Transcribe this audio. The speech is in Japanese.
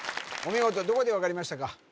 お見事どこで分かりましたか？